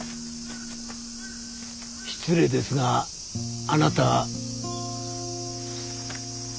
失礼ですがあなた。